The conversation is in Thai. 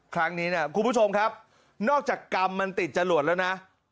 ครั้งนี้เนี่ยคุณผู้ชมครับนอกจากกรรมมันติดจรวดแล้วนะ